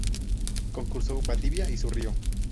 Concurso "Valdivia y su Río".